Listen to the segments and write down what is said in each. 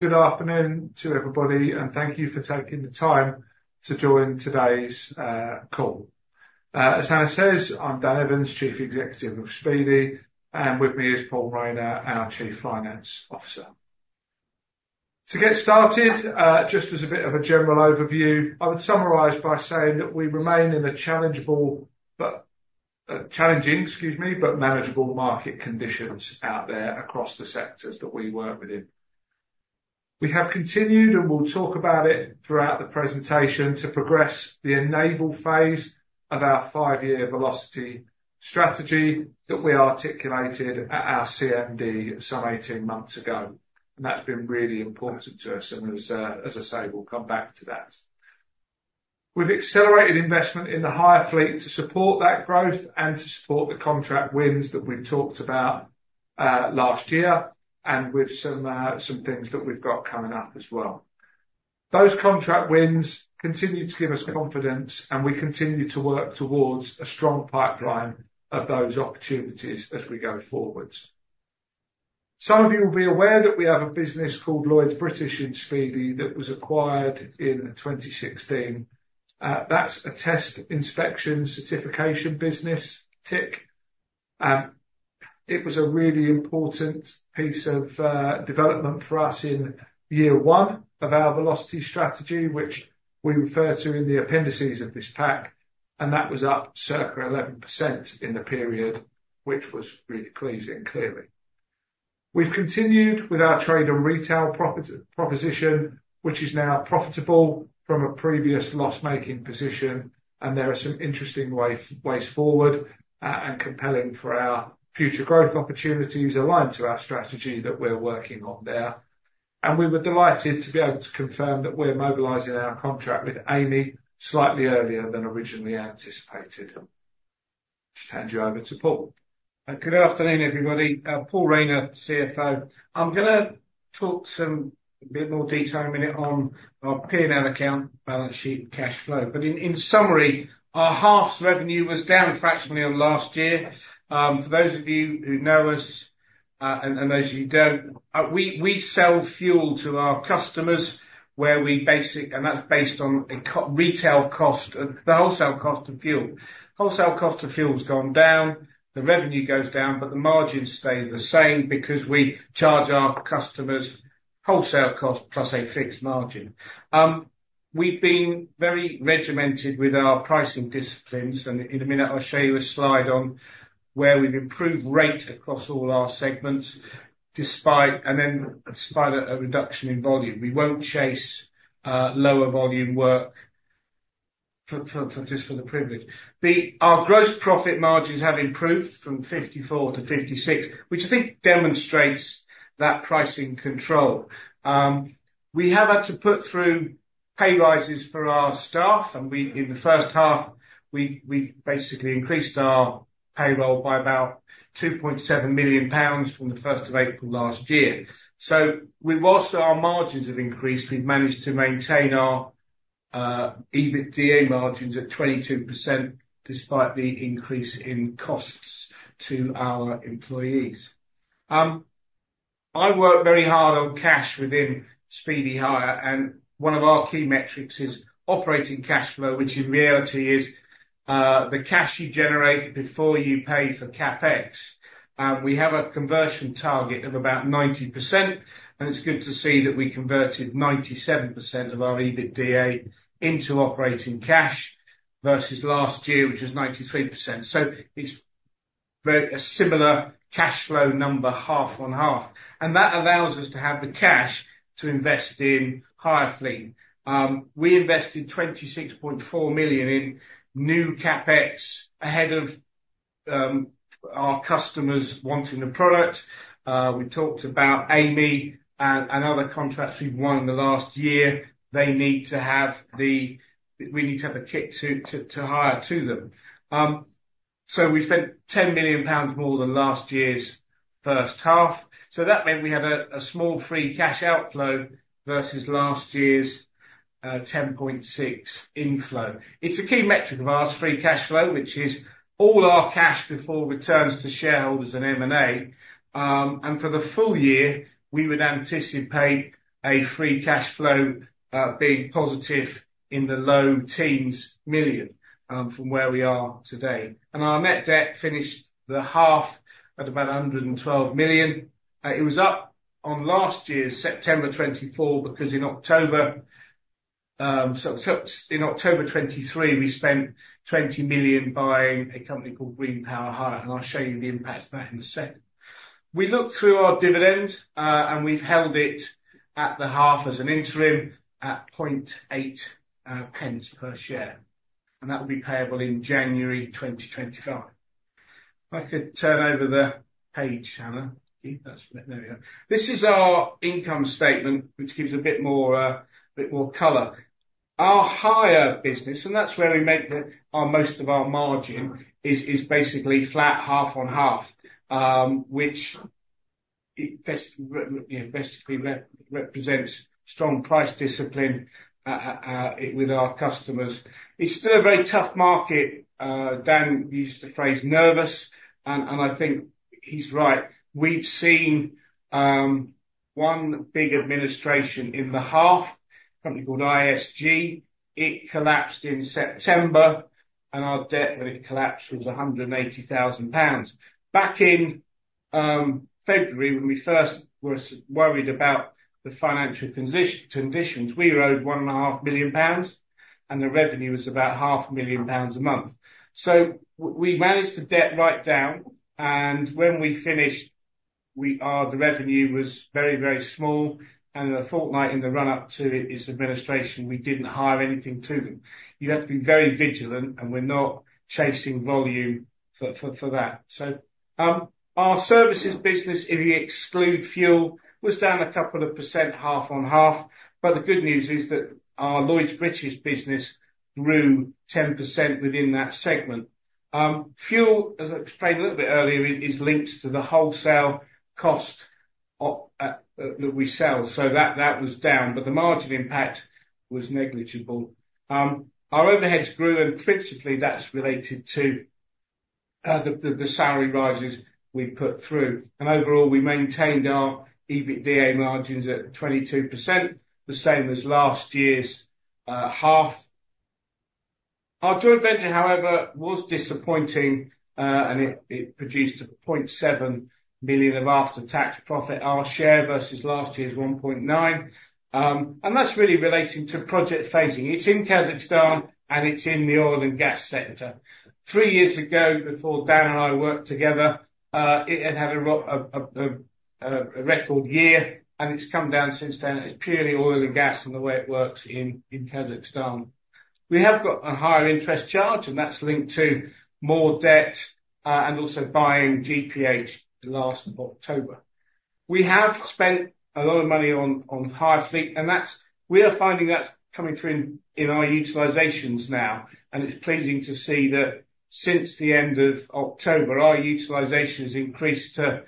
Good afternoon to everybody, and thank you for taking the time to join today's call. As Hannah says, I'm Dan Evans, Chief Executive of Speedy, and with me is Paul Rayner, our Chief Finance Officer. To get started, just as a bit of a general overview, I would summarize by saying that we remain in a challenging market conditions out there across the sectors that we work within. We have continued, and we'll talk about it throughout the presentation, to progress the Enable phase of our five-year Velocity strategy that we articulated at our CMD some 18 months ago. And that's been really important to us, and as I say, we'll come back to that. We've accelerated investment in the hire fleet to support that growth and to support the contract wins that we've talked about last year, and with some things that we've got coming up as well. Those contract wins continue to give us confidence, and we continue to work towards a strong pipeline of those opportunities as we go forward. Some of you will be aware that we have a business called Lloyds British in Speedy that was acquired in 2016. That's a test inspection certification business, TIC. It was a really important piece of development for us in year one of our Velocity strategy, which we refer to in the appendices of this pack, and that was up circa 11% in the period, which was really pleasing, clearly. We've continued with our Trade and Retail proposition, which is now profitable from a previous loss-making position, and there are some interesting ways forward and compelling for our future growth opportunities aligned to our strategy that we're working on there. We were delighted to be able to confirm that we're mobilizing our contract with Amey slightly earlier than originally anticipated. Just hand you over to Paul. Good afternoon, everybody. Paul Rayner, CFO. I'm going to talk a bit more detail in a minute on our P&L account, balance sheet, and cash flow. But in summary, our half's revenue was down fractionally on last year. For those of you who know us, and those of you who don't, we sell fuel to our customers, and that's based on the wholesale cost of fuel. Wholesale cost of fuel's gone down, the revenue goes down, but the margin stays the same because we charge our customers wholesale cost plus a fixed margin. We've been very regimented with our pricing disciplines, and in a minute, I'll show you a slide on where we've improved rates across all our segments, and then despite a reduction in volume, we won't chase lower volume work just for the privilege. Our gross profit margins have improved from 54% to 56%, which I think demonstrates that pricing control. We have had to put through pay rises for our staff, and in the first half, we've basically increased our payroll by about 2.7 million pounds from the 1st of April last year. So whilst our margins have increased, we've managed to maintain our EBITDA margins at 22% despite the increase in costs to our employees. I work very hard on cash within Speedy Hire, and one of our key metrics is operating cash flow, which in reality is the cash you generate before you pay for CapEx. We have a conversion target of about 90%, and it's good to see that we converted 97% of our EBITDA into operating cash versus last year, which was 93%. So it's a similar cash flow number, half on half, and that allows us to have the cash to invest in hire fleet. We invested 26.4 million in new CapEx ahead of our customers wanting the product. We talked about Amey and other contracts we've won the last year. We need to have the kit to hire to them. So we spent 10 million pounds more than last year's first half. So that meant we had a small free cash outflow versus last year's 10.6 million inflow. It's a key metric of our free cash flow, which is all our cash before returns to shareholders and M&A. And for the full year, we would anticipate a free cash flow being positive in the low teens million from where we are today. And our net debt finished the half at about 112 million. It was up on last year, September 2024, because in October 2023, we spent 20 million buying a company called Green Power Hire, and I'll show you the impact of that in a second. We looked through our dividend, and we've held it at the half as an interim at 8.8 pence per share, and that will be payable in January 2025. If I could turn over the page, Hannah. This is our income statement, which gives a bit more color. Our hire business, and that's where we make most of our margin, is basically flat, half on half, which basically represents strong price discipline with our customers. It's still a very tough market. Dan used the phrase nervous, and I think he's right. We've seen one big administration in the half, a company called ISG. It collapsed in September, and our debt with it collapsed was 180,000 pounds. Back in February, when we first were worried about the financial conditions, we were owed 1.5 million pounds, and the revenue was about 0.5 million pounds a month. So we managed the debt right down, and when we finished, the revenue was very, very small, and the fortnight in the run-up to it is administration. We didn't hire anything to them. You have to be very vigilant, and we're not chasing volume for that. So our services business, if you exclude fuel, was down a couple of percent half on half, but the good news is that our Lloyds British business grew 10% within that segment. Fuel, as I explained a little bit earlier, is linked to the wholesale cost that we sell, so that was down, but the margin impact was negligible. Our overheads grew, and principally, that's related to the salary rises we put through. And overall, we maintained our EBITDA margins at 22%, the same as last year's half. Our joint venture, however, was disappointing, and it produced 0.7 million of after-tax profit. Our share versus last year's 1.9 million, and that's really relating to project phasing. It's in Kazakhstan, and it's in the oil and gas sector. Three years ago, before Dan and I worked together, it had had a record year, and it's come down since then. It's purely oil and gas and the way it works in Kazakhstan. We have got a higher interest charge, and that's linked to more debt and also buying GPH last October. We have spent a lot of money on hire fleet, and we are finding that's coming through in our utilizations now, and it's pleasing to see that since the end of October, our utilization has increased to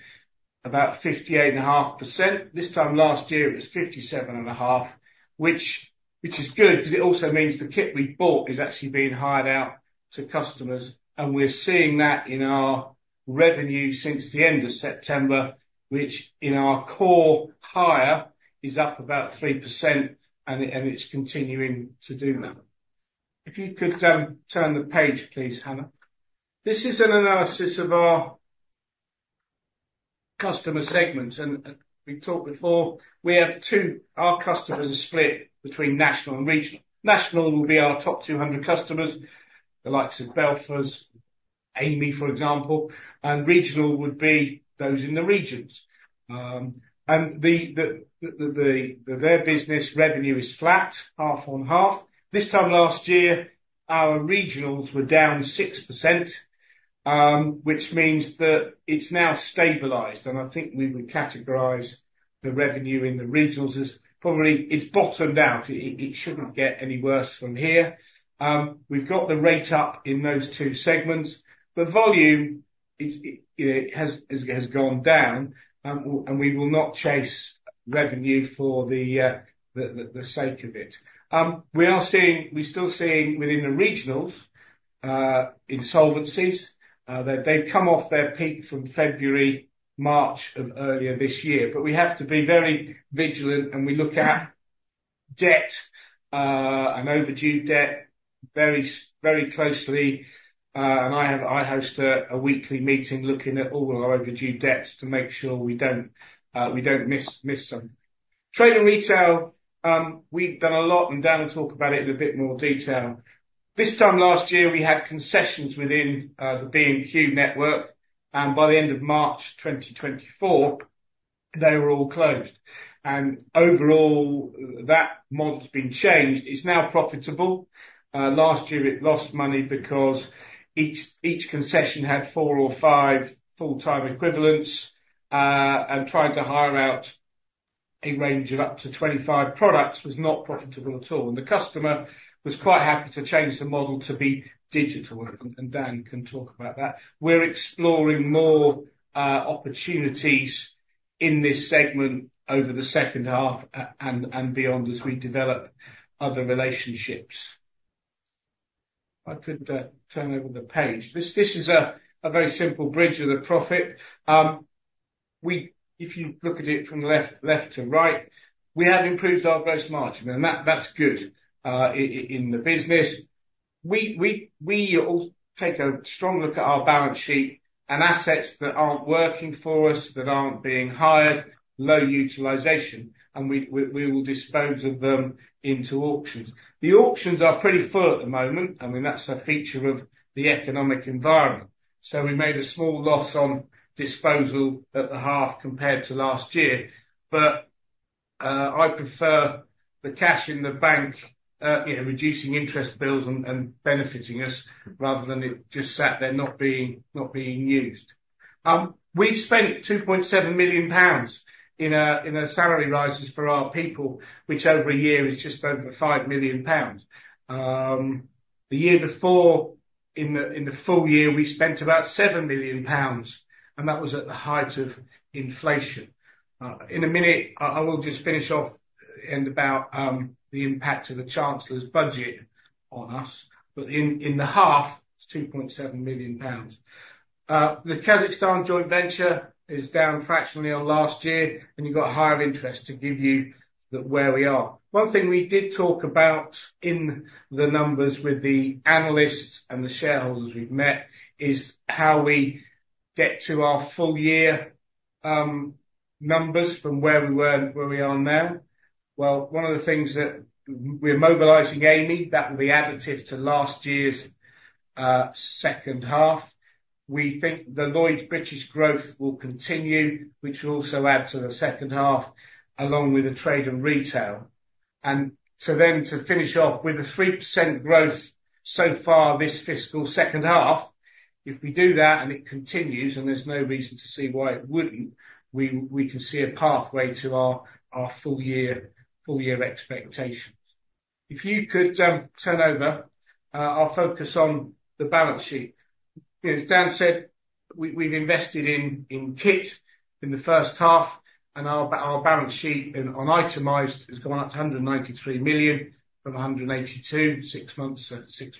about 58.5%. This time last year, it was 57.5%, which is good because it also means the kit we bought is actually being hired out to customers, and we're seeing that in our revenue since the end of September, which in our core hire is up about 3%, and it's continuing to do that. If you could turn the page, please, Hannah. This is an analysis of our customer segments, and we talked before. Our customers are split between national and regional. National will be our top 200 customers, the likes of Balfour, Amey, for example, and regional would be those in the regions. And their business revenue is flat, half on half. This time last year, our regionals were down 6%, which means that it's now stabilized, and I think we would categorise the revenue in the regionals as probably it's bottomed out. It shouldn't get any worse from here. We've got the rate up in those two segments, but volume has gone down, and we will not chase revenue for the sake of it. We are still seeing within the regionals insolvencies. They've come off their peak from February, March of earlier this year, but we have to be very vigilant, and we look at debt and overdue debt very closely, and I host a weekly meeting looking at all our overdue debts to make sure we don't miss some. Trade and Retail, we've done a lot, and Dan will talk about it in a bit more detail. This time last year, we had concessions within the B&Q network, and by the end of March 2024, they were all closed, and overall, that model's been changed. It's now profitable. Last year, it lost money because each concession had four or five full-time equivalents, and trying to hire out a range of up to 25 products was not profitable at all, and the customer was quite happy to change the model to be digital, and Dan can talk about that. We're exploring more opportunities in this segment over the second half and beyond as we develop other relationships. If I could turn over the page. This is a very simple bridge of the profit. If you look at it from left to right, we have improved our gross margin, and that's good in the business. We take a strong look at our balance sheet and assets that aren't working for us, that aren't being hired, low utilization, and we will dispose of them into auctions. The auctions are pretty full at the moment. I mean, that's a feature of the economic environment. So we made a small loss on disposal at the half compared to last year, but I prefer the cash in the bank, reducing interest bills and benefiting us rather than it just sat there not being used. We've spent 2.7 million pounds in salary rises for our people, which over a year is just over 5 million pounds. The year before, in the full year, we spent about 7 million pounds, and that was at the height of inflation. In a minute, I will just finish off and about the impact of the Chancellor's budget on us, but in the half, it's 2.7 million pounds. The Kazakhstan joint venture is down fractionally on last year, and you've got a higher interest to give you where we are. One thing we did talk about in the numbers with the analysts and the shareholders we've met is how we get to our full year numbers from where we are now. One of the things that we're mobilizing Amey, that will be additive to last year's second half. We think the Lloyds British growth will continue, which will also add to the second half along with the Trade and Retail. And to then finish off with a 3% growth so far this fiscal second half, if we do that and it continues, and there's no reason to see why it wouldn't, we can see a pathway to our full year expectations. If you could turn over, I'll focus on the balance sheet. As Dan said, we've invested in kit in the first half, and our balance sheet on itemized has gone up to 193 million from 182 million six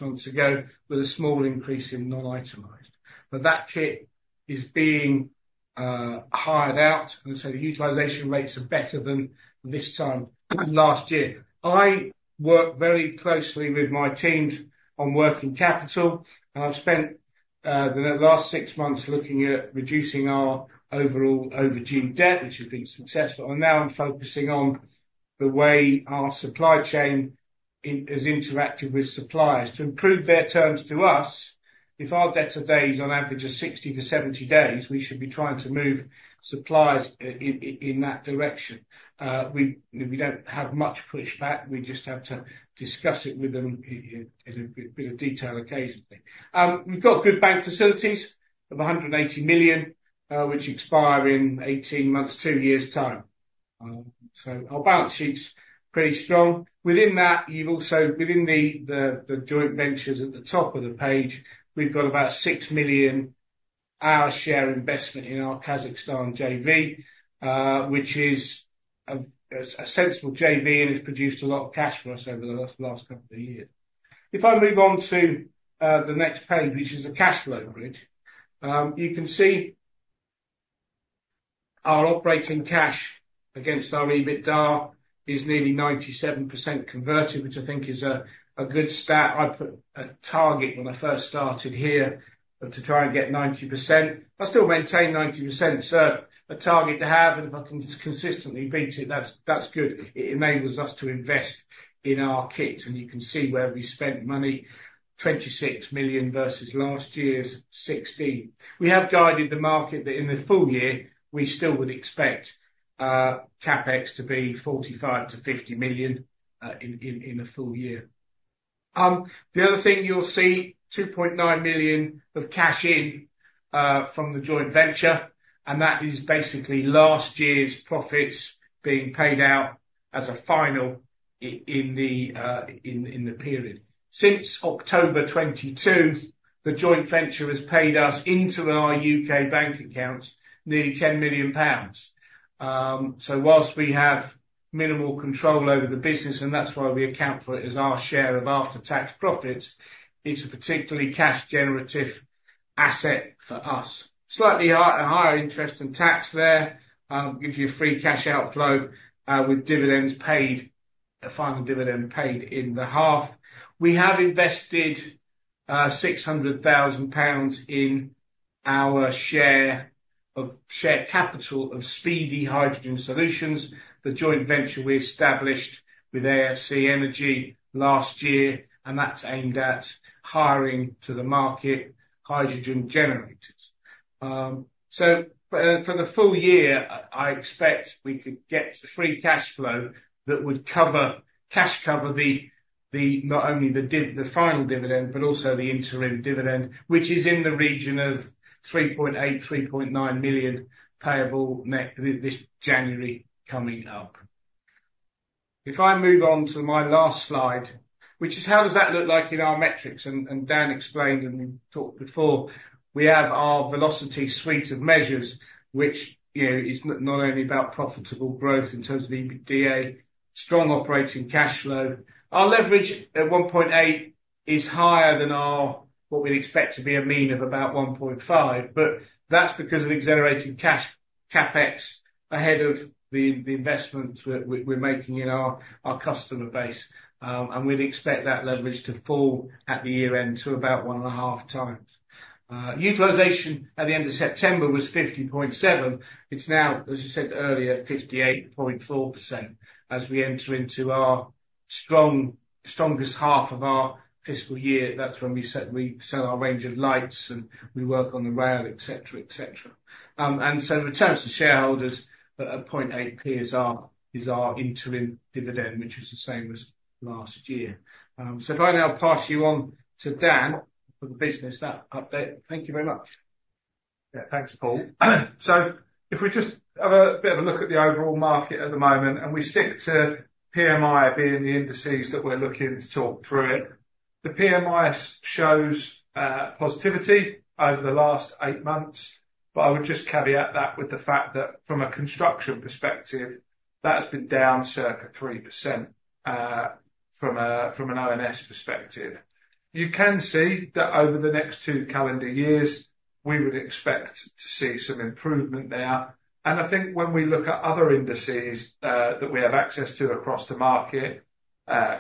months ago, with a small increase in non-itemized. But that kit is being hired out, and so the utilization rates are better than this time last year. I work very closely with my teams on working capital, and I've spent the last six months looking at reducing our overall overdue debt, which has been successful. And now I'm focusing on the way our supply chain is interacting with suppliers. To improve their terms to us, if our debt today is on average of 60-70 days, we should be trying to move suppliers in that direction. We don't have much pushback. We just have to discuss it with them in a bit of detail occasionally. We've got good bank facilities of 180 million, which expire in 18 months, two years' time. So our balance sheet's pretty strong. Within that, you've also within the joint ventures at the top of the page, we've got about 6 million our share investment in our Kazakhstan JV, which is a sensible JV and has produced a lot of cash for us over the last couple of years. If I move on to the next page, which is the cash flow bridge, you can see our operating cash against our EBITDA is nearly 97% converted, which I think is a good stat. I put a target when I first started here to try and get 90%. I still maintain 90%, so a target to have, and if I can consistently beat it, that's good. It enables us to invest in our kit, and you can see where we spent money, 26 million versus last year's 16 million. We have guided the market that in the full year, we still would expect CapEx to be 45-50 million in a full year. The other thing you'll see, 2.9 million of cash in from the joint venture, and that is basically last year's profits being paid out as a final in the period. Since October 22, the joint venture has paid us into our U.K. bank accounts nearly 10 million pounds. So whilst we have minimal control over the business, and that's why we account for it as our share of after-tax profits, it's a particularly cash-generative asset for us. Slightly higher interest and tax there, gives you a free cash outflow with dividends paid, a final dividend paid in the half. We have invested 600,000 pounds in our share capital of Speedy Hydrogen Solutions, the joint venture we established with AFC Energy last year, and that's aimed at hiring to the market hydrogen generators. So for the full year, I expect we could get free cash flow that would cover cash cover not only the final dividend, but also the interim dividend, which is in the region of 3.8 million-3.9 million payable this January coming up. If I move on to my last slide, which is how does that look like in our metrics, and Dan explained and talked before, we have our Velocity suite of measures, which is not only about profitable growth in terms of EBITDA, strong operating cash flow. Our leverage at 1.8 is higher than what we'd expect to be a mean of about 1.5, but that's because of accelerating cash CapEx ahead of the investments we're making in our customer base, and we'd expect that leverage to fall at the year end to about one and a half times. Utilization at the end of September was 50.7%. It's now, as I said earlier, 58.4% as we enter into our strongest half of our fiscal year. That's when we sell our range of lights and we work on the rail, etc., etc., and so the returns to shareholders at 8.8 pence per share is our interim dividend, which is the same as last year, so if I now pass you on to Dan for the business update, thank you very much. Yeah, thanks, Paul. So if we just have a bit of a look at the overall market at the moment, and we stick to PMI being the indices that we're looking to talk through it, the PMI shows positivity over the last eight months, but I would just caveat that with the fact that from a construction perspective, that's been down circa 3% from an ONS perspective. You can see that over the next two calendar years, we would expect to see some improvement there. And I think when we look at other indices that we have access to across the market,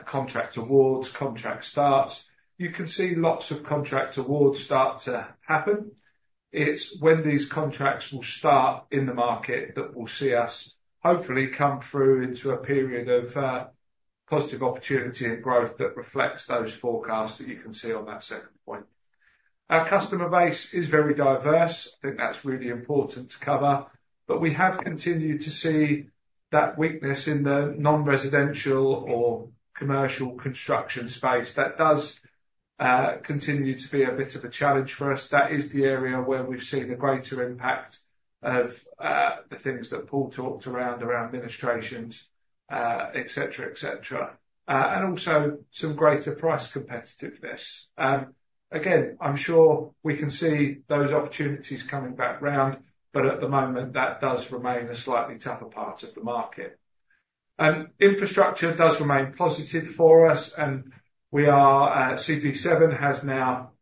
contract awards, contract starts, you can see lots of contract awards start to happen. It's when these contracts will start in the market that we'll see us hopefully come through into a period of positive opportunity and growth that reflects those forecasts that you can see on that second point. Our customer base is very diverse. I think that's really important to cover, but we have continued to see that weakness in the non-residential or commercial construction space. That does continue to be a bit of a challenge for us. That is the area where we've seen a greater impact of the things that Paul talked around, around administrations, etc., etc., and also some greater price competitiveness. Again, I'm sure we can see those opportunities coming back round, but at the moment, that does remain a slightly tougher part of the market. Infrastructure does remain positive for us, and CP7 has now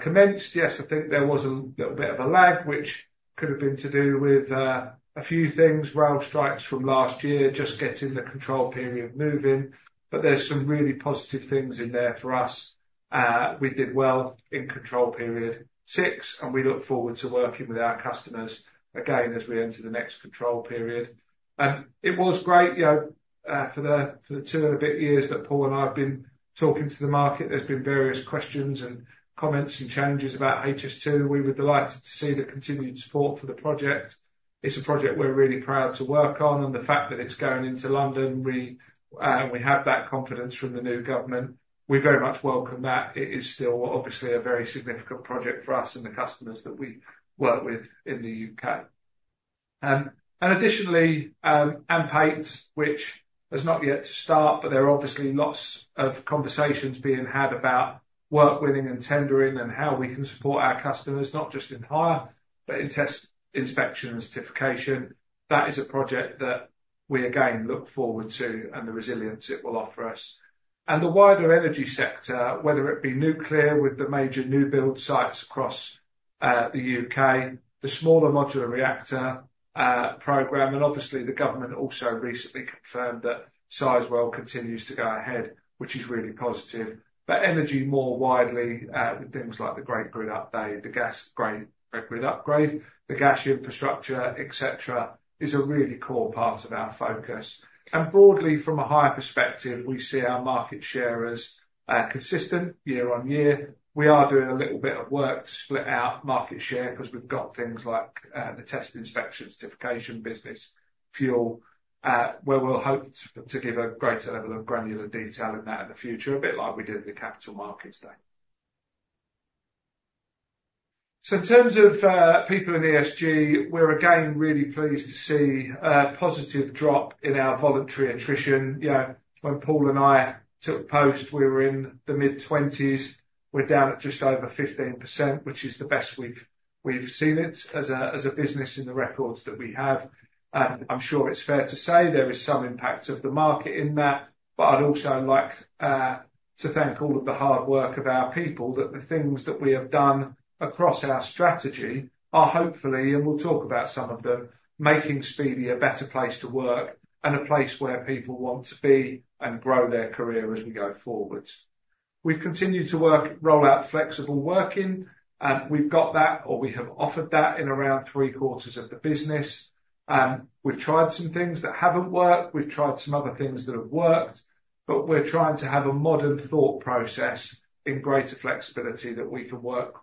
commenced. Yes, I think there was a little bit of a lag, which could have been to do with a few things, rail strikes from last year, just getting the control period moving, but there's some really positive things in there for us. We did well in Control Period 6, and we look forward to working with our customers again as we enter the next control period. It was great for the two and a bit years that Paul and I have been talking to the market. There's been various questions and comments and changes about HS2. We were delighted to see the continued support for the project. It's a project we're really proud to work on, and the fact that it's going into London, we have that confidence from the new government. We very much welcome that. It is still obviously a very significant project for us and the customers that we work with in the U.K. Additionally, AMP8, which has not yet started, but there are obviously lots of conversations being had about work winning and tendering and how we can support our customers, not just in hire, but in test inspection and certification. That is a project that we again look forward to and the resilience it will offer us. The wider energy sector, whether it be nuclear with the major new build sites across the U.K., the Small Modular Reactor program, and obviously the government also recently confirmed that Sizewell continues to go ahead, which is really positive. But energy more widely with things like the Great Grid Upgrade, the gas Great Grid Upgrade, the gas infrastructure, etc., is a really core part of our focus. Broadly, from a hire perspective, we see our market share as consistent year-on-year. We are doing a little bit of work to split out market share because we've got things like the test, inspection, and certification business, fuel, where we'll hope to give a greater level of granular detail in that in the future, a bit like we did in the capital markets there. So in terms of people in ESG, we're again really pleased to see a positive drop in our voluntary attrition. When Paul and I took post, we were in the mid-20s. We're down at just over 15%, which is the best we've seen it as a business in the records that we have. And I'm sure it's fair to say there is some impact of the market in that, but I'd also like to thank all of the hard work of our people that the things that we have done across our strategy are hopefully, and we'll talk about some of them, making Speedy a better place to work and a place where people want to be and grow their career as we go forward. We've continued to roll out flexible working. We've got that, or we have offered that in around three quarters of the business. We've tried some things that haven't worked. We've tried some other things that have worked, but we're trying to have a modern thought process in greater flexibility that we can work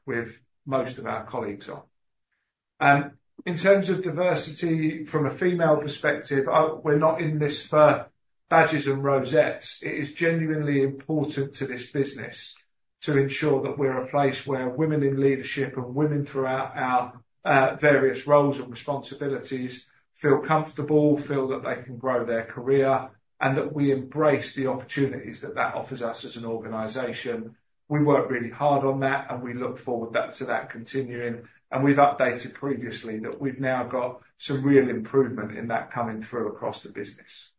with most of our colleagues on. In terms of diversity from a female perspective, we're not in this for badges and rosettes. It is genuinely important to this business to ensure that we're a place where women in leadership and women throughout our various roles and responsibilities feel comfortable, feel that they can grow their career, and that we embrace the opportunities that that offers us as an organization. We work really hard on that, and we look forward to that continuing. And we've updated previously that we've now got some real improvement in that coming through across the business.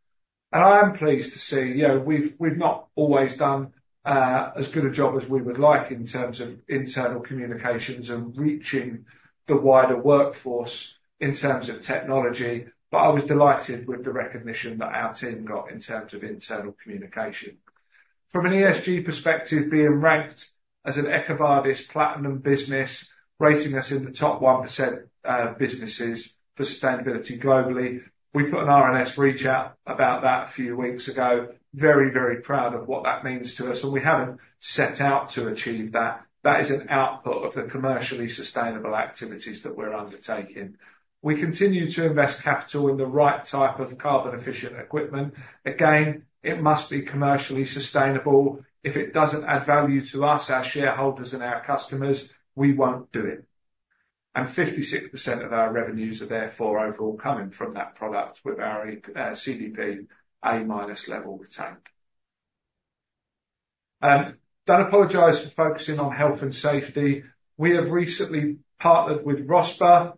And I am pleased to see we've not always done as good a job as we would like in terms of internal communications and reaching the wider workforce in terms of technology, but I was delighted with the recognition that our team got in terms of internal communication. From an ESG perspective, being ranked as an EcoVadis Platinum business, rating us in the top 1% of businesses for sustainability globally, we put an RNS release about that a few weeks ago. Very, very proud of what that means to us, and we haven't set out to achieve that. That is an output of the commercially sustainable activities that we're undertaking. We continue to invest capital in the right type of carbon-efficient equipment. Again, it must be commercially sustainable. If it doesn't add value to us, our shareholders and our customers, we won't do it, and 56% of our revenues are therefore overall coming from that product with our CDP A-minus level retained. Dan apologized for focusing on health and safety. We have recently partnered with RoSPA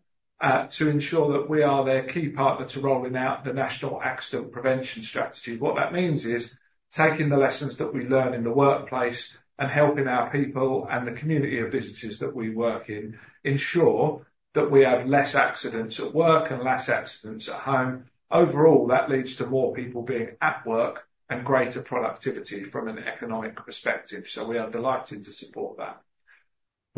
to ensure that we are their key partner to rolling out the National Accident Prevention Strategy. What that means is taking the lessons that we learn in the workplace and helping our people and the community of businesses that we work in ensure that we have less accidents at work and less accidents at home. Overall, that leads to more people being at work and greater productivity from an economic perspective. So we are delighted to support that.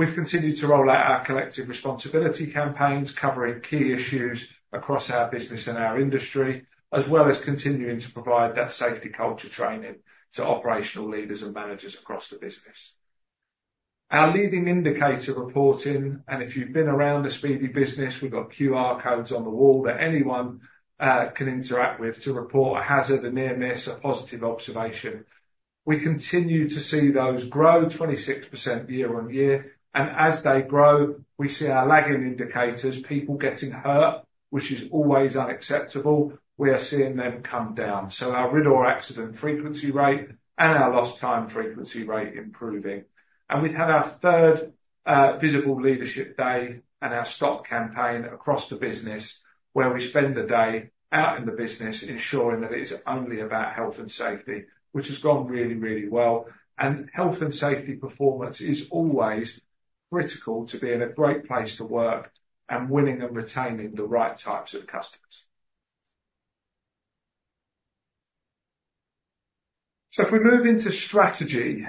We've continued to roll out our collective responsibility campaigns covering key issues across our business and our industry, as well as continuing to provide that safety culture training to operational leaders and managers across the business. Our leading indicator reporting, and if you've been around the Speedy business, we've got QR codes on the wall that anyone can interact with to report a hazard, a near miss, a positive observation. We continue to see those grow 26% year-on-year, and as they grow, we see our lagging indicators, people getting hurt, which is always unacceptable. We are seeing them come down so our RIDDOR accident frequency rate and our lost time frequency rate improving and we've had our third Visible Leadership Day and our Stop campaign across the business where we spend a day out in the business ensuring that it is only about health and safety, which has gone really, really well and health and safety performance is always critical to being a great place to work and winning and retaining the right types of customers so if we move into strategy,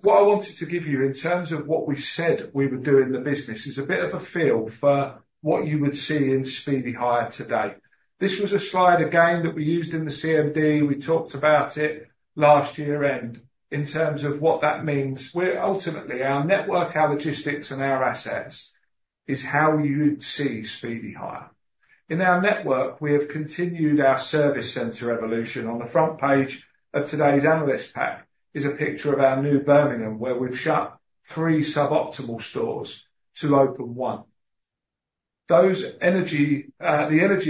what I wanted to give you in terms of what we said we were doing in the business is a bit of a feel for what you would see in Speedy Hire today. This was a slide again that we used in the CMD. We talked about it last year end in terms of what that means. Ultimately, our network, our logistics, and our assets is how you'd see Speedy Hire. In our network, we have continued our service center evolution. On the front page of today's analyst pack is a picture of our new Birmingham, where we've shut three suboptimal stores to open one. The energy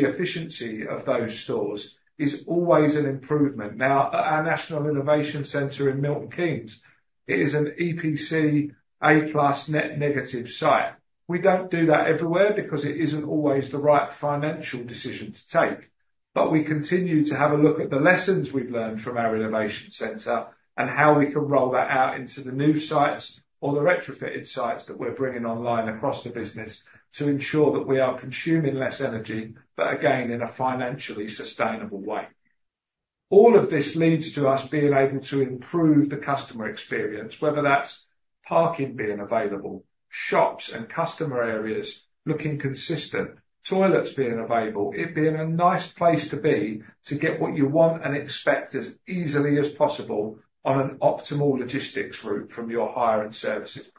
efficiency of those stores is always an improvement. Now, our National Innovation Centre in Milton Keynes, it is an EPC A-plus net negative site. We don't do that everywhere because it isn't always the right financial decision to take, but we continue to have a look at the lessons we've learned from our innovation center and how we can roll that out into the new sites or the retrofitted sites that we're bringing online across the business to ensure that we are consuming less energy, but again, in a financially sustainable way. All of this leads to us being able to improve the customer experience, whether that's parking being available, shops and customer areas looking consistent, toilets being available, it being a nice place to be to get what you want and expect as easily as possible on an optimal logistics route from your hire and services provider.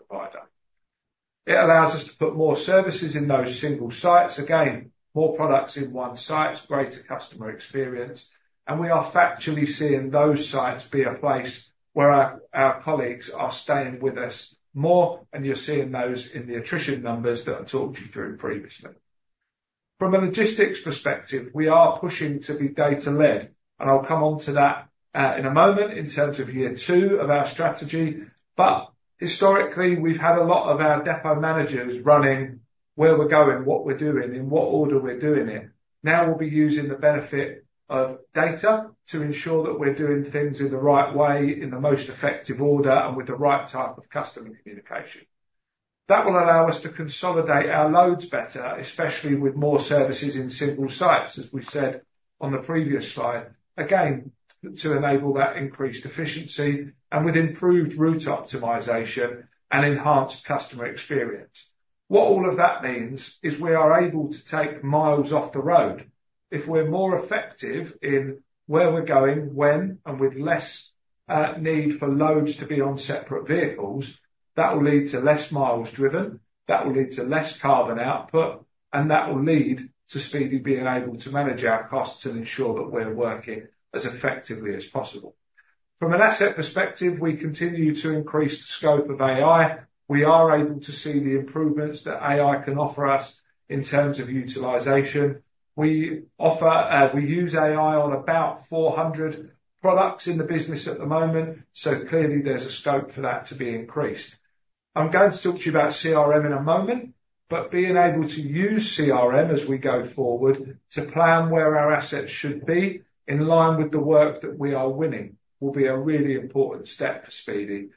It allows us to put more services in those single sites. Again, more products in one site, greater customer experience, and we are factually seeing those sites be a place where our colleagues are staying with us more, and you're seeing those in the attrition numbers that I talked to you through previously. From a logistics perspective, we are pushing to be data-led, and I'll come on to that in a moment in terms of year two of our strategy, but historically, we've had a lot of our depot managers running where we're going, what we're doing, in what order we're doing it. Now we'll be using the benefit of data to ensure that we're doing things in the right way, in the most effective order, and with the right type of customer communication. That will allow us to consolidate our loads better, especially with more services in single sites, as we said on the previous slide, again, to enable that increased efficiency and with improved route optimization and enhanced customer experience. What all of that means is we are able to take miles off the road. If we're more effective in where we're going, when, and with less need for loads to be on separate vehicles, that will lead to less miles driven, that will lead to less carbon output, and that will lead to Speedy being able to manage our costs and ensure that we're working as effectively as possible. From an asset perspective, we continue to increase the scope of AI. We are able to see the improvements that AI can offer us in terms of utilization. We use AI on about 400 products in the business at the moment, so clearly there's a scope for that to be increased. I'm going to talk to you about CRM in a moment, but being able to use CRM as we go forward to plan where our assets should be in line with the work that we are winning will be a really important step for Speedy.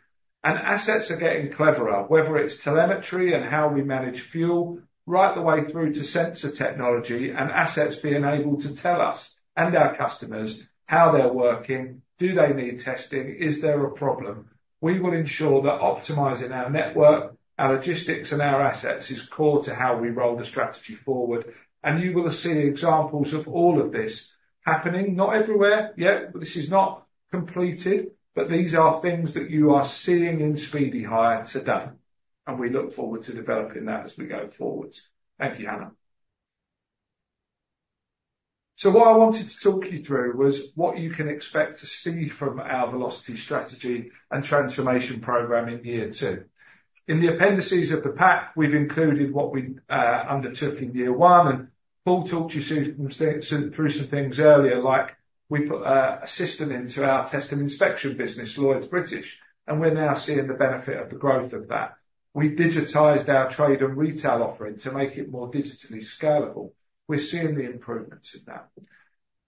Assets are getting cleverer, whether it's telemetry and how we manage fuel, right the way through to sensor technology and assets being able to tell us and our customers how they're working, do they need testing, is there a problem? We will ensure that optimizing our network, our logistics, and our assets is core to how we roll the strategy forward, and you will see examples of all of this happening. Not everywhere yet, but this is not completed, but these are things that you are seeing in Speedy Hire today, and we look forward to developing that as we go forward. Thank you, Hannah. So what I wanted to talk you through was what you can expect to see from our Velocity strategy and transformation program in year two. In the appendices of the pack, we've included what we undertook in year one, and Paul talked you through some things earlier, like we put a system into our test and inspection business, Lloyds British, and we're now seeing the benefit of the growth of that. We digitized our Trade and Retail offering to make it more digitally scalable. We're seeing the improvements in that.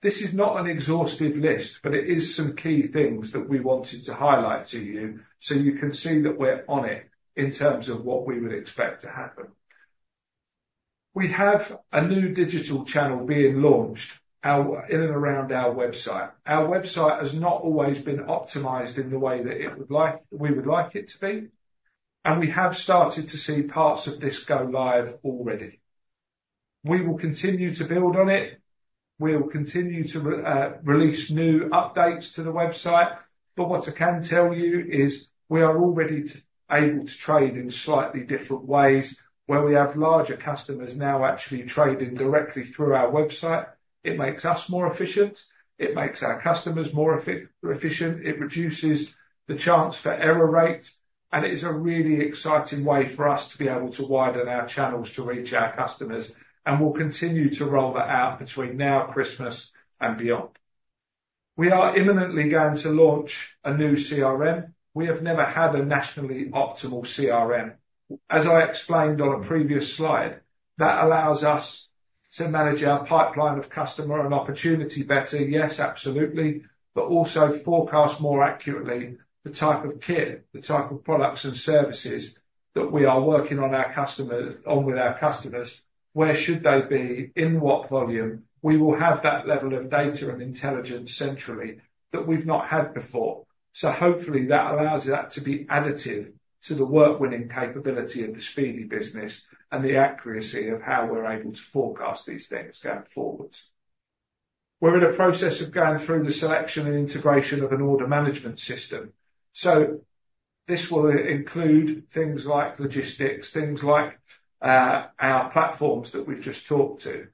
This is not an exhaustive list, but it is some key things that we wanted to highlight to you so you can see that we're on it in terms of what we would expect to happen. We have a new digital channel being launched in and around our website. Our website has not always been optimized in the way that we would like it to be, and we have started to see parts of this go live already. We will continue to build on it. We will continue to release new updates to the website, but what I can tell you is we are already able to trade in slightly different ways where we have larger customers now actually trading directly through our website. It makes us more efficient. It makes our customers more efficient. It reduces the chance for error rates, and it is a really exciting way for us to be able to widen our channels to reach our customers, and we'll continue to roll that out between now, Christmas, and beyond. We are imminently going to launch a new CRM. We have never had a nationally optimal CRM. As I explained on a previous slide, that allows us to manage our pipeline of customer and opportunity better, yes, absolutely, but also forecast more accurately the type of kit, the type of products and services that we are working on our customers on with our customers, where should they be, in what volume. We will have that level of data and intelligence centrally that we've not had before. Hopefully that allows that to be additive to the work-winning capability of the Speedy business and the accuracy of how we're able to forecast these things going forwards. We're in a process of going through the selection and integration of an order management system. This will include things like logistics, things like our platforms that we've just talked to.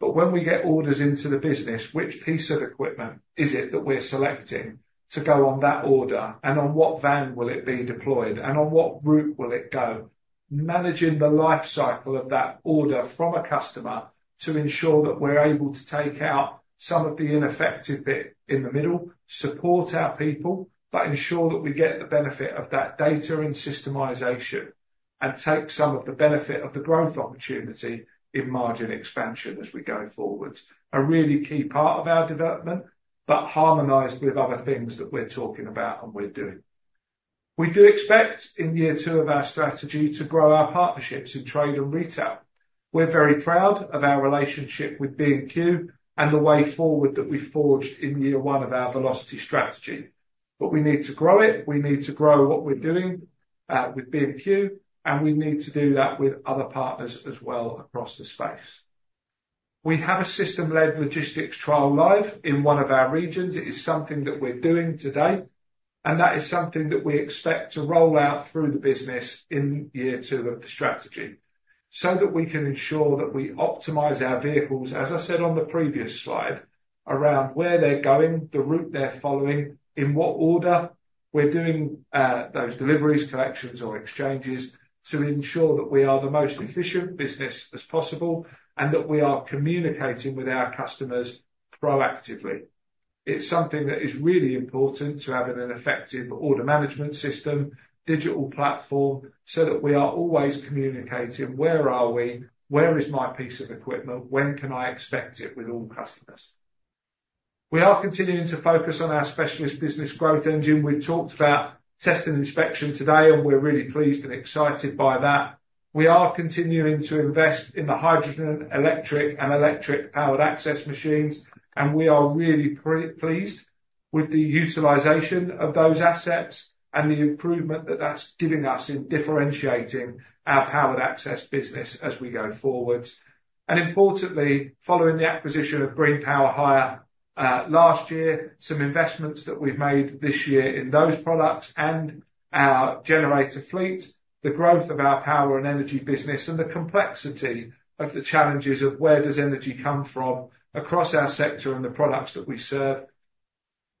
But when we get orders into the business, which piece of equipment is it that we're selecting to go on that order, and on what van will it be deployed, and on what route will it go? Managing the life cycle of that order from a customer to ensure that we're able to take out some of the ineffective bit in the middle, support our people, but ensure that we get the benefit of that data and systemization and take some of the benefit of the growth opportunity in margin expansion as we go forward. A really key part of our development, but harmonised with other things that we're talking about and we're doing. We do expect in year two of our strategy to grow our partnerships in Trade and Retail. We're very proud of our relationship with B&Q and the way forward that we forged in year one of our Velocity strategy, but we need to grow it. We need to grow what we're doing with B&Q, and we need to do that with other partners as well across the space. We have a system-led logistics trial live in one of our regions. It is something that we're doing today, and that is something that we expect to roll out through the business in year two of the strategy so that we can ensure that we optimize our vehicles, as I said on the previous slide, around where they're going, the route they're following, in what order we're doing those deliveries, collections, or exchanges to ensure that we are the most efficient business as possible and that we are communicating with our customers proactively. It's something that is really important to have an effective order management system, digital platform, so that we are always communicating where are we, where is my piece of equipment, when can I expect it with all customers. We are continuing to focus on our specialist business growth engine. We've talked about test and inspection today, and we're really pleased and excited by that. We are continuing to invest in the hydrogen, electric, and electric powered access machines, and we are really pleased with the utilization of those assets and the improvement that that's giving us in differentiating our powered access business as we go forward. And importantly, following the acquisition of Green Power Hire last year, some investments that we've made this year in those products and our generator fleet, the growth of our Power and Energy business, and the complexity of the challenges of where does energy come from across our sector and the products that we serve.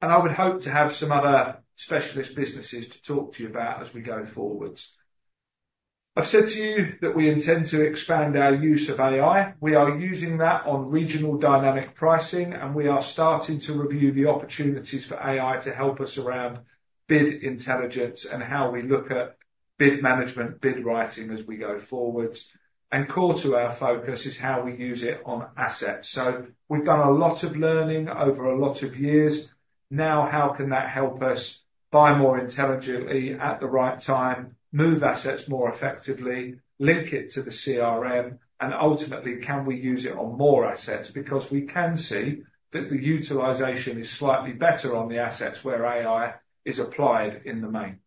And I would hope to have some other specialist businesses to talk to you about as we go forward. I've said to you that we intend to expand our use of AI. We are using that on regional dynamic pricing, and we are starting to review the opportunities for AI to help us around bid intelligence and how we look at bid management, bid writing as we go forward. And core to our focus is how we use it on assets. So we've done a lot of learning over a lot of years. Now, how can that help us buy more intelligently at the right time, move assets more effectively, link it to the CRM, and ultimately, can we use it on more assets? Because we can see that the utilization is slightly better on the assets where AI is applied in the main.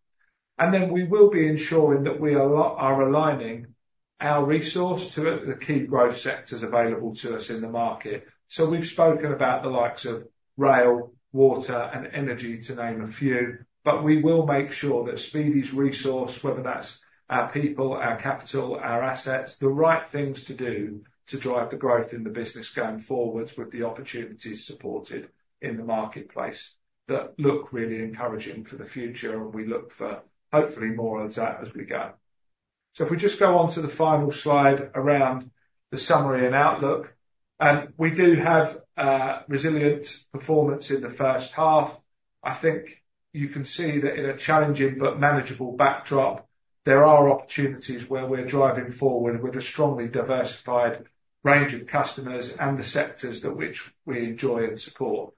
And then we will be ensuring that we are aligning our resource to the key growth sectors available to us in the market. We've spoken about the likes of rail, water, and energy, to name a few, but we will make sure that Speedy's resource, whether that's our people, our capital, our assets, the right things to do to drive the growth in the business going forward with the opportunities supported in the marketplace that look really encouraging for the future, and we look for hopefully more of that as we go. If we just go on to the final slide around the summary and outlook, we do have resilient performance in the first half. I think you can see that in a challenging but manageable backdrop. There are opportunities where we're driving forward with a strongly diversified range of customers and the sectors that which we enjoy and support.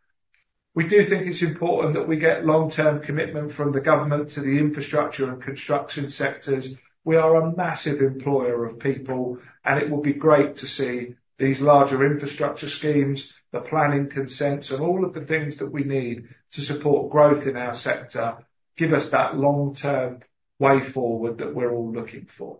We do think it's important that we get long-term commitment from the government to the infrastructure and construction sectors. We are a massive employer of people, and it would be great to see these larger infrastructure schemes, the planning consents, and all of the things that we need to support growth in our sector give us that long-term way forward that we're all looking for.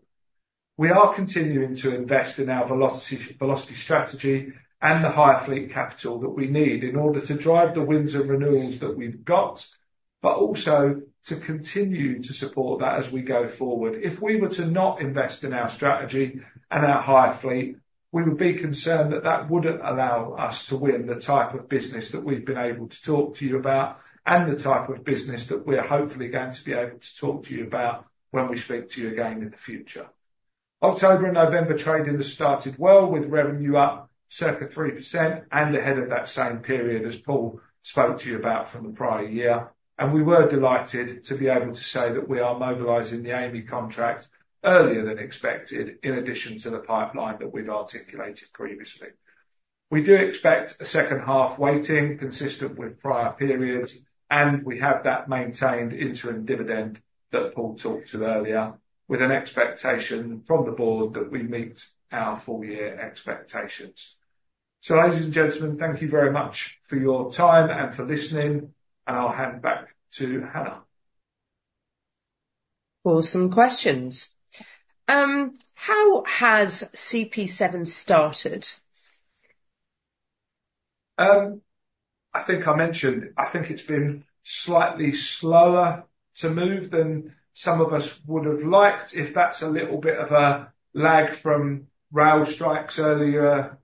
We are continuing to invest in our Velocity strategy and the hire fleet capital that we need in order to drive the wins and renewals that we've got, but also to continue to support that as we go forward. If we were to not invest in our strategy and our hire fleet, we would be concerned that that wouldn't allow us to win the type of business that we've been able to talk to you about and the type of business that we're hopefully going to be able to talk to you about when we speak to you again in the future. October and November trading has started well with revenue up circa 3% and ahead of that same period as Paul spoke to you about from the prior year, and we were delighted to be able to say that we are mobilising the Amey contract earlier than expected in addition to the pipeline that we've articulated previously. We do expect a second half weighting consistent with prior periods, and we have that maintained interim dividend that Paul talked about earlier with an expectation from the board that we meet our full year expectations. Ladies and gentlemen, thank you very much for your time and for listening, and I'll hand back to Hannah. Awesome questions. How has CP7 started? I think I mentioned, I think it's been slightly slower to move than some of us would have liked if that's a little bit of a lag from rail strikes earlier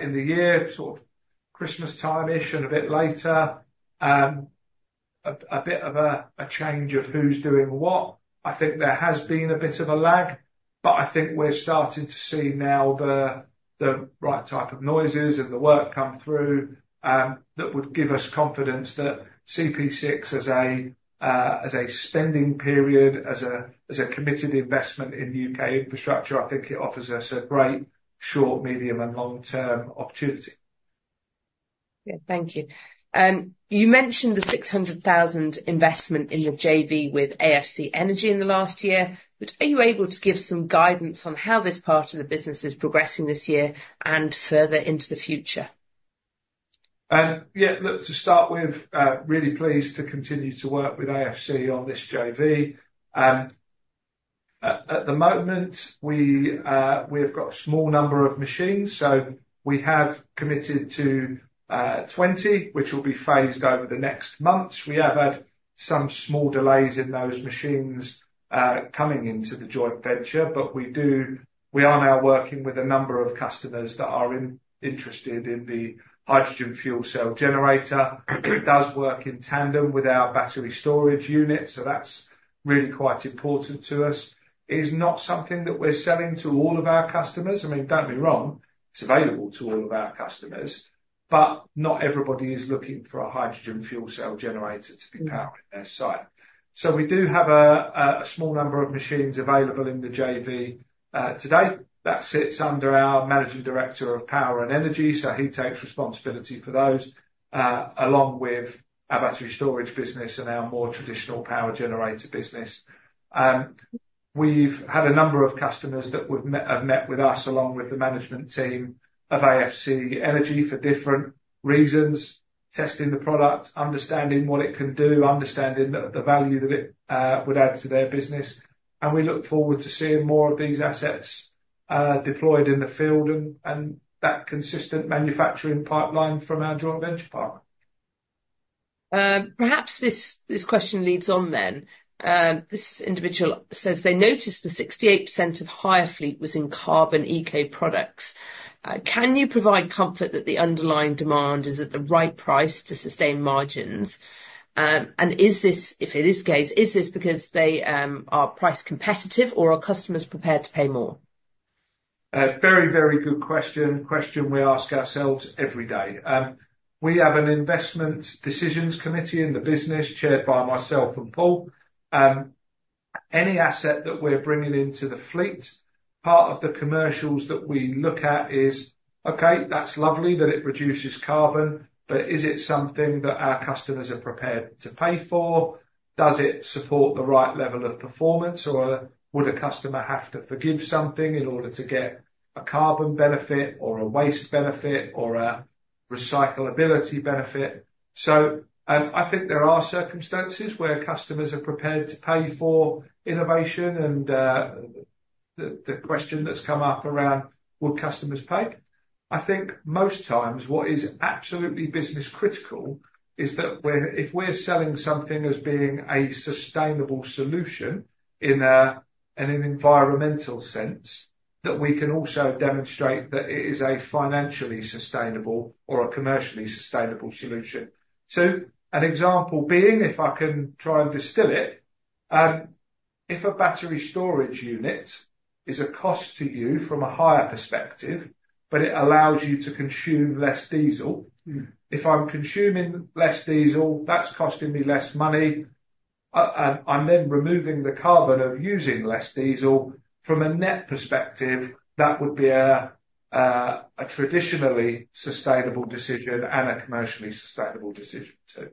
in the year, sort of Christmas time-ish and a bit later, a bit of a change of who's doing what. I think there has been a bit of a lag, but I think we're starting to see now the right type of noises and the work come through that would give us confidence that CP6 as a spending period, as a committed investment in U.K. infrastructure, I think it offers us a great short, medium, and long-term opportunity. Yeah, thank you. You mentioned the 600,000 investment in the JV with AFC Energy in the last year, but are you able to give some guidance on how this part of the business is progressing this year and further into the future? Yeah, look, to start with, really pleased to continue to work with AFC on this JV. At the moment, we have got a small number of machines, so we have committed to 20, which will be phased over the next months. We have had some small delays in those machines coming into the joint venture, but we are now working with a number of customers that are interested in the hydrogen fuel cell generator. It does work in tandem with our battery storage unit, so that's really quite important to us. It is not something that we're selling to all of our customers. I mean, don't be wrong, it's available to all of our customers, but not everybody is looking for a hydrogen fuel cell generator to be powering their site. So we do have a small number of machines available in the JV today that sits under our managing director of Power and Energy, so he takes responsibility for those along with our battery storage business and our more traditional power generator business. We've had a number of customers that have met with us along with the management team of AFC Energy for different reasons, testing the product, understanding what it can do, understanding the value that it would add to their business, and we look forward to seeing more of these assets deployed in the field and that consistent manufacturing pipeline from our joint venture partner. Perhaps this question leads on then. This individual says they noticed the 68% of hire fleet was in carbon ECO products. Can you provide comfort that the underlying demand is at the right price to sustain margins? And if it is the case, is this because they are price competitive or are customers prepared to pay more? Very, very good question. Question we ask ourselves every day. We have an investment decisions committee in the business chaired by myself and Paul. Any asset that we're bringing into the fleet, part of the commercials that we look at is, okay, that's lovely that it reduces carbon, but is it something that our customers are prepared to pay for? Does it support the right level of performance, or would a customer have to forgive something in order to get a carbon benefit or a waste benefit or a recyclability benefit? So I think there are circumstances where customers are prepared to pay for innovation, and the question that's come up around, would customers pay? I think most times what is absolutely business critical is that if we're selling something as being a sustainable solution in an environmental sense that we can also demonstrate that it is a financially sustainable or a commercially sustainable solution. So an example being, if I can try and distill it, if a battery storage unit is a cost to you from a hire perspective, but it allows you to consume less diesel, if I'm consuming less diesel, that's costing me less money, and I'm then removing the carbon of using less diesel from a net perspective, that would be a traditionally sustainable decision and a commercially sustainable decision too.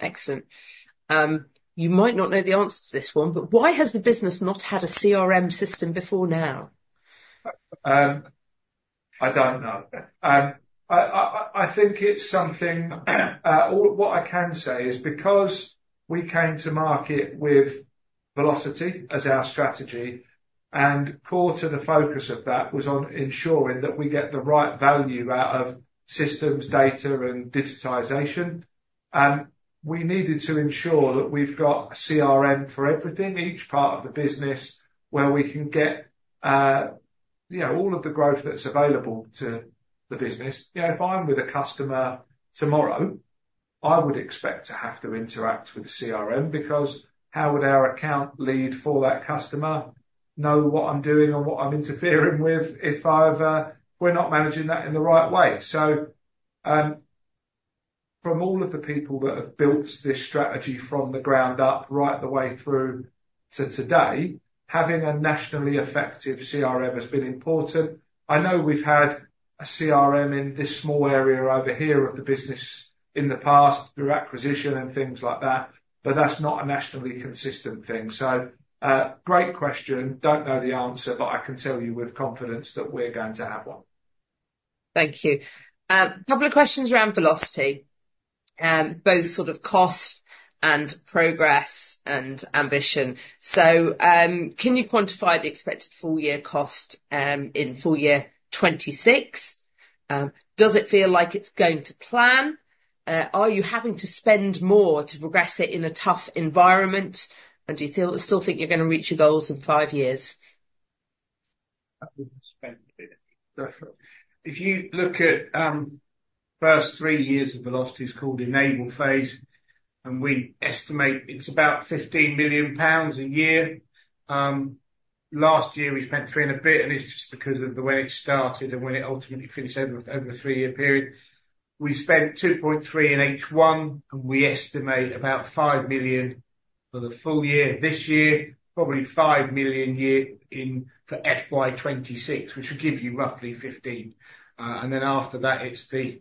Excellent. You might not know the answer to this one, but why has the business not had a CRM system before now? I don't know. I think it's something what I can say is because we came to market with Velocity as our strategy, and core to the focus of that was on ensuring that we get the right value out of systems, data, and digitization. We needed to ensure that we've got a CRM for everything, each part of the business where we can get all of the growth that's available to the business. If I'm with a customer tomorrow, I would expect to have to interact with a CRM because how would our account lead for that customer know what I'm doing and what I'm interfering with if we're not managing that in the right way? So from all of the people that have built this strategy from the ground up right the way through to today, having a nationally effective CRM has been important. I know we've had a CRM in this small area over here of the business in the past through acquisition and things like that, but that's not a nationally consistent thing. So great question. Don't know the answer, but I can tell you with confidence that we're going to have one. Thank you. A couple of questions around Velocity, both sort of cost and progress and ambition. So can you quantify the expected full year cost in full year 26? Does it feel like it's going to plan? Are you having to spend more to progress it in a tough environment? And do you still think you're going to reach your goals in five years? If you look at the first three years of Velocity is called Enable phase, and we estimate it's about 15 million pounds a year. Last year, we spent three and a bit, and it's just because of the way it started and when it ultimately finished over a three-year period. We spent 2.3 in each one, and we estimate about 5 million for the full year this year, probably 5 million for FY26, which would give you roughly 15. And then after that, it's the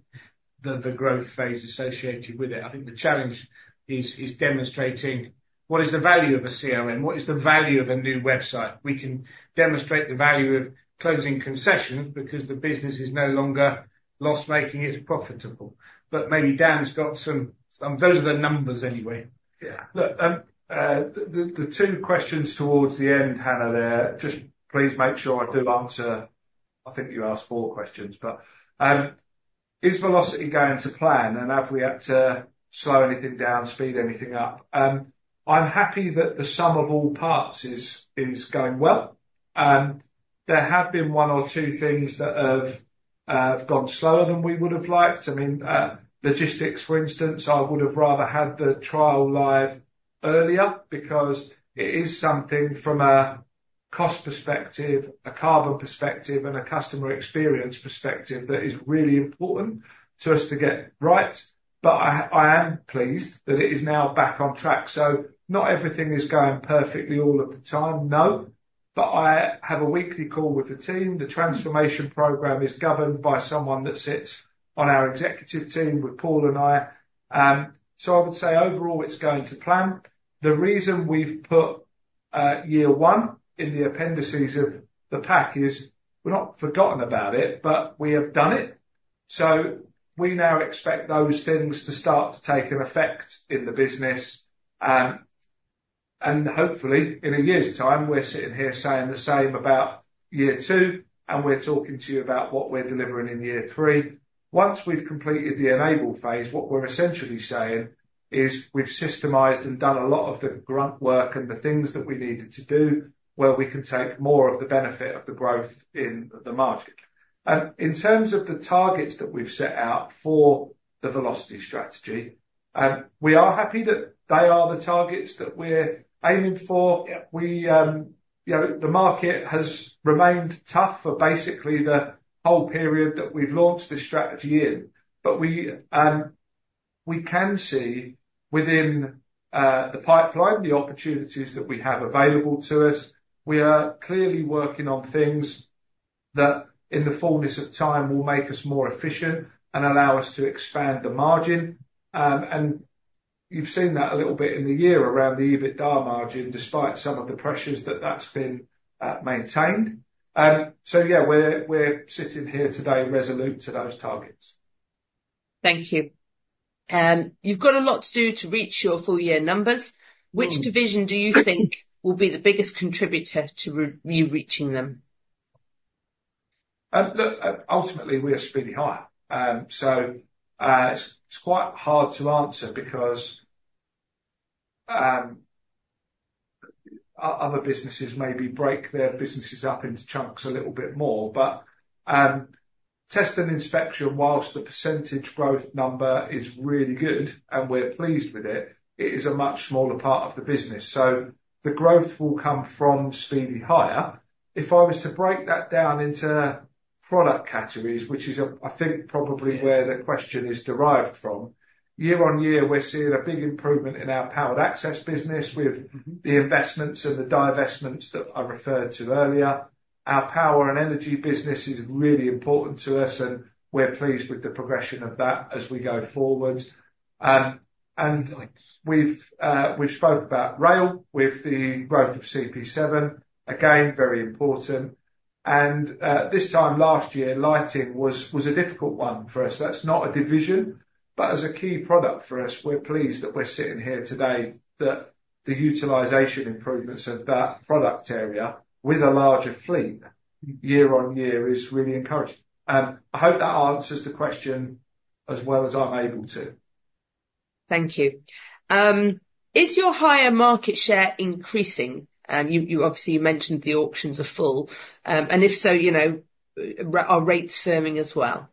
growth phase associated with it. I think the challenge is demonstrating what is the value of a CRM? What is the value of a new website? We can demonstrate the value of closing concessions because the business is no longer loss-making; it's profitable. But maybe Dan's got some, those are the numbers anyway. Yeah. Look, the two questions towards the end, Hannah, there, just please make sure I do answer. I think you asked four questions, but is Velocity going to plan? And have we had to slow anything down, speed anything up? I'm happy that the sum of all parts is going well. There have been one or two things that have gone slower than we would have liked. I mean, logistics, for instance, I would have rather had the trial live earlier because it is something from a cost perspective, a carbon perspective, and a customer experience perspective that is really important to us to get right. But I am pleased that it is now back on track. So not everything is going perfectly all of the time, no. But I have a weekly call with the team. The transformation program is governed by someone that sits on our executive team with Paul and I. So I would say overall, it's going to plan. The reason we've put year one in the appendices of the pack is we've not forgotten about it, but we have done it. So we now expect those things to start to take effect in the business. And hopefully, in a year's time, we're sitting here saying the same about year two, and we're talking to you about what we're delivering in year three. Once we've completed the Enable phase, what we're essentially saying is we've systemized and done a lot of the grunt work and the things that we needed to do where we can take more of the benefit of the growth in the market. In terms of the targets that we've set out for the Velocity strategy, we are happy that they are the targets that we're aiming for. The market has remained tough for basically the whole period that we've launched the strategy in, but we can see within the pipeline the opportunities that we have available to us. We are clearly working on things that in the fullness of time will make us more efficient and allow us to expand the margin. And you've seen that a little bit in the year around the EBITDA margin, despite some of the pressures that that's been maintained. So yeah, we're sitting here today resolute to those targets. Thank you. You've got a lot to do to reach your full year numbers. Which division do you think will be the biggest contributor to you reaching them? Look, ultimately, we are Speedy Hire. It's quite hard to answer because other businesses maybe break their businesses up into chunks a little bit more. But testing and inspection, while the percentage growth number is really good and we're pleased with it, it is a much smaller part of the business. The growth will come from Speedy Hire. If I was to break that down into product categories, which is, I think, probably where the question is derived from, year-on-year, we're seeing a big improvement in our powered access business with the investments and the divestments that I referred to earlier. Our Power and Energy business is really important to us, and we're pleased with the progression of that as we go forwards. We've spoke about rail with the growth of CP7, again, very important. This time last year, lighting was a difficult one for us. That's not a division, but as a key product for us, we're pleased that we're sitting here today that the utilization improvements of that product area with a larger fleet year-on-year is really encouraging. I hope that answers the question as well as I'm able to. Thank you. Is your hire market share increasing? Obviously, you mentioned the auctions are full. And if so, are rates firming as well?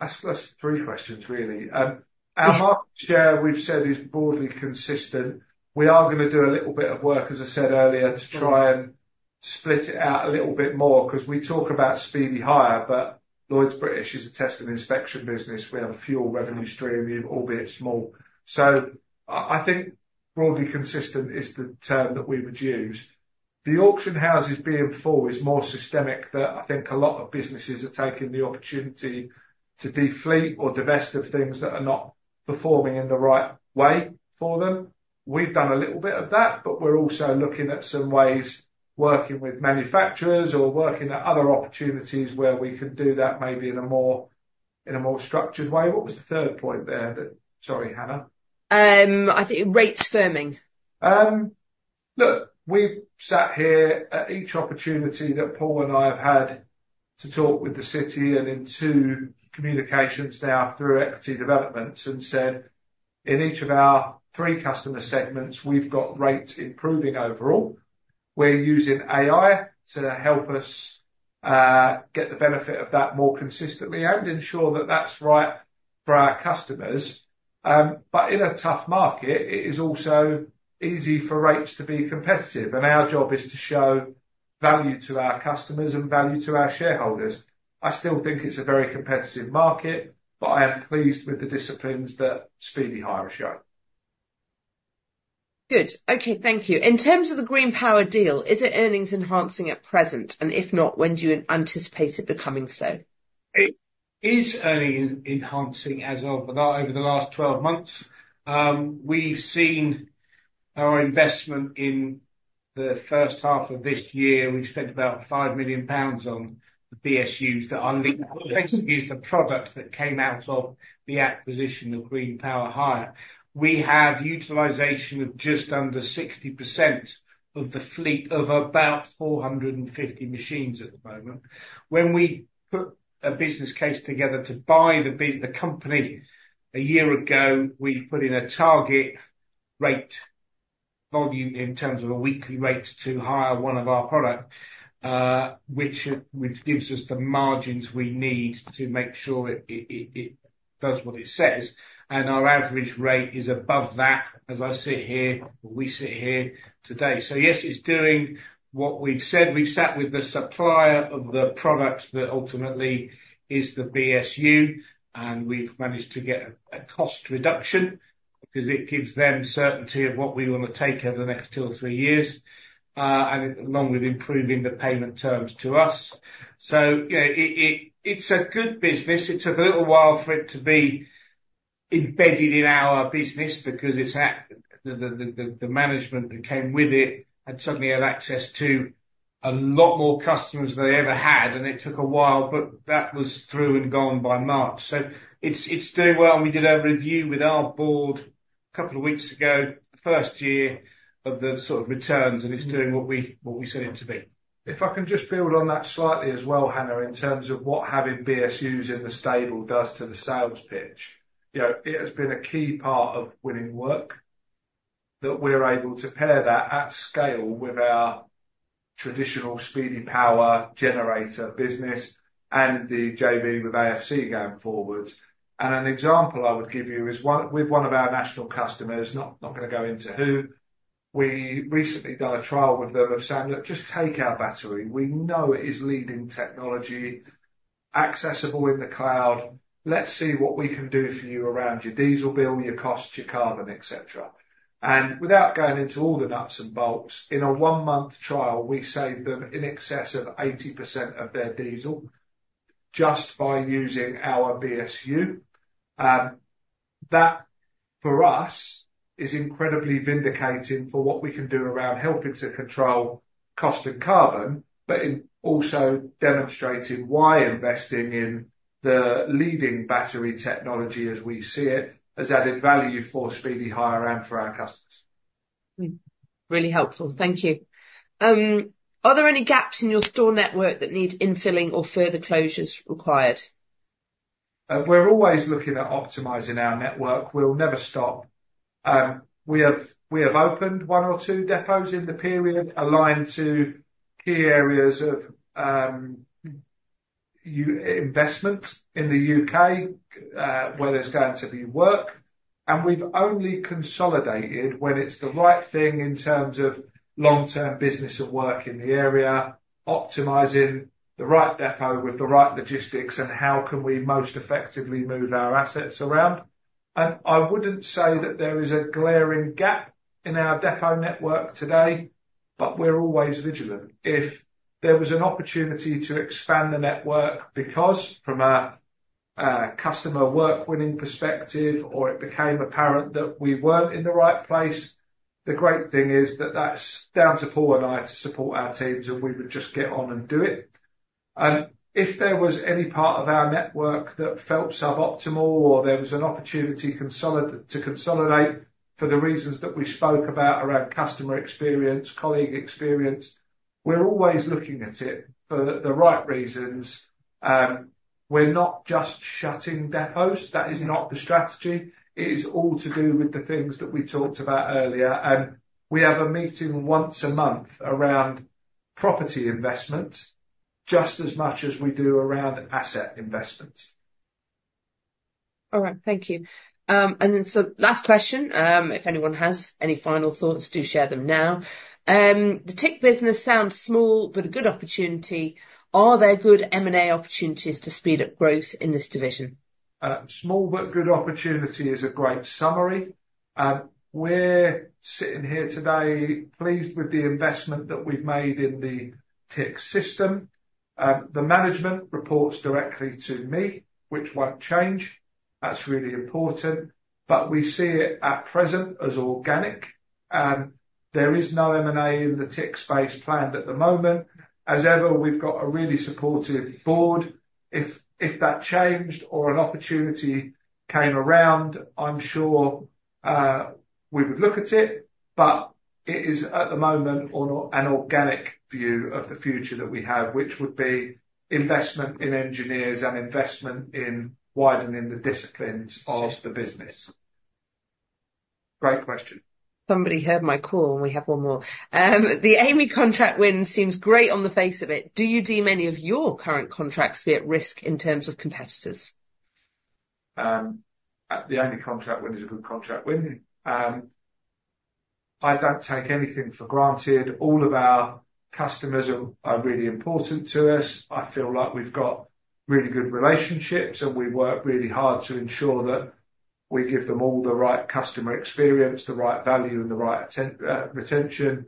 That's three questions, really. Our market share, we've said, is broadly consistent. We are going to do a little bit of work, as I said earlier, to try and split it out a little bit more because we talk about Speedy Hire, but Lloyds British is a testing and inspection business. We have a fuel revenue stream, albeit small. So I think broadly consistent is the term that we would use. The auction houses being full is more systemic than I think a lot of businesses are taking the opportunity to defleet or divest of things that are not performing in the right way for them. We've done a little bit of that, but we're also looking at some ways working with manufacturers or working at other opportunities where we can do that maybe in a more structured way. What was the third point there? Sorry, Hannah. I think rates firming. Look, we've sat here at each opportunity that Paul and I have had to talk with the City and in two communications now through Equity Development and said in each of our three customer segments, we've got rates improving overall. We're using AI to help us get the benefit of that more consistently and ensure that that's right for our customers. But in a tough market, it is also easy for rates to be competitive. And our job is to show value to our customers and value to our shareholders. I still think it's a very competitive market, but I am pleased with the disciplines that Speedy Hire has shown. Good. Okay. Thank you. In terms of the Green Power Hire deal, is it earnings enhancing at present? And if not, when do you anticipate it becoming so? It is earnings enhancing as of now over the last 12 months. We've seen our investment in the first half of this year. We've spent about 5 million pounds on the BSUs that are basically the products that came out of the acquisition of Green Power Hire. We have utilization of just under 60% of the fleet of about 450 machines at the moment. When we put a business case together to buy the company a year ago, we put in a target rate volume in terms of a weekly rate to hire one of our products, which gives us the margins we need to make sure it does what it says, and our average rate is above that as I sit here, we sit here today, so yes, it's doing what we've said. We've sat with the supplier of the product that ultimately is the BSU, and we've managed to get a cost reduction because it gives them certainty of what we want to take over the next two or three years, along with improving the payment terms to us, so it's a good business. It took a little while for it to be embedded in our business because the management that came with it had suddenly had access to a lot more customers than they ever had, and it took a while, but that was through and gone by March, so it's doing well, and we did a review with our board a couple of weeks ago, first year of the sort of returns, and it's doing what we set it to be. If I can just build on that slightly as well, Hannah, in terms of what having BSUs in the stable does to the sales pitch. It has been a key part of winning work that we're able to pair that at scale with our traditional Speedy power generator business and the JV with AFC going forward. And an example I would give you is with one of our national customers, not going to go into who. We recently done a trial with them of saying, "Look, just take our battery. We know it is leading technology, accessible in the cloud. Let's see what we can do for you around your diesel bill, your costs, your carbon, etc." And without going into all the nuts and bolts, in a one-month trial, we saved them in excess of 80% of their diesel just by using our BSU. That, for us, is incredibly vindicating for what we can do around helping to control cost and carbon, but also demonstrating why investing in the leading battery technology as we see it has added value for Speedy Hire and for our customers. Really helpful. Thank you. Are there any gaps in your store network that need infilling or further closures required? We're always looking at optimizing our network. We'll never stop. We have opened one or two depots in the period aligned to key areas of investment in the U.K. where there's going to be work. And we've only consolidated when it's the right thing in terms of long-term business and work in the area, optimizing the right depot with the right logistics and how can we most effectively move our assets around. And I wouldn't say that there is a glaring gap in our depot network today, but we're always vigilant. If there was an opportunity to expand the network because from a customer work-winning perspective or it became apparent that we weren't in the right place, the great thing is that that's down to Paul and I to support our teams, and we would just get on and do it. And if there was any part of our network that felt suboptimal or there was an opportunity to consolidate for the reasons that we spoke about around customer experience, colleague experience, we're always looking at it for the right reasons. We're not just shutting depots. That is not the strategy. It is all to do with the things that we talked about earlier. And we have a meeting once a month around property investment just as much as we do around asset investments. All right. Thank you. And then last question, if anyone has any final thoughts, do share them now. The TIC business sounds small, but a good opportunity. Are there good M&A opportunities to speed up growth in this division? Small, but good opportunity is a great summary. We're sitting here today pleased with the investment that we've made in the TIC system. The management reports directly to me, which won't change. That's really important. But we see it at present as organic. There is no M&A in the TIC space planned at the moment. As ever, we've got a really supportive board. If that changed or an opportunity came around, I'm sure we would look at it. But it is at the moment an organic view of the future that we have, which would be investment in engineers and investment in widening the disciplines of the business. Great question. Somebody heard my call, and we have one more. The Amey contract win seems great on the face of it. Do you deem any of your current contracts to be at risk in terms of competitors? The Amey contract win is a good contract win. I don't take anything for granted. All of our customers are really important to us. I feel like we've got really good relationships, and we work really hard to ensure that we give them all the right customer experience, the right value, and the right retention.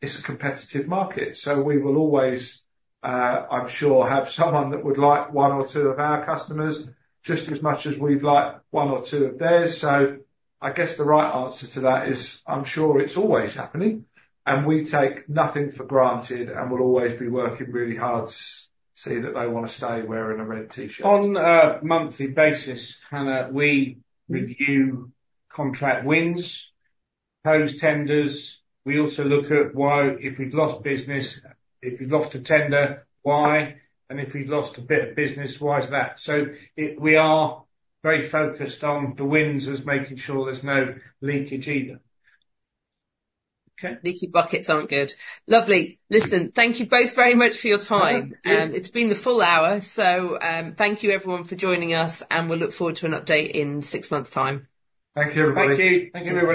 It's a competitive market. So we will always, I'm sure, have someone that would like one or two of our customers just as much as we'd like one or two of theirs. So I guess the right answer to that is, I'm sure it's always happening. And we take nothing for granted and will always be working really hard to see that they want to stay wearing a red T-shirt. On a monthly basis, Hannah, we review contract wins, post tenders. We also look at why if we've lost business, if we've lost a tender, why, and if we've lost a bit of business, why is that? So, we are very focused on the wins as making sure there's no leakage either. Leaky buckets aren't good. Lovely. Listen, thank you both very much for your time. It's been the full hour. So, thank you, everyone, for joining us, and we'll look forward to an update in six months' time. Thank you, everybody. Thank you. Thank you.